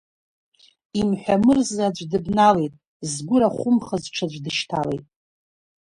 Имҳәа-мырза аӡә дыбналеит, згәы рахәымхаз ҽаӡә дышьҭалеит.